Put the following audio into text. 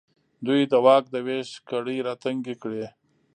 دوی د واک د وېش کړۍ راتنګې کړې.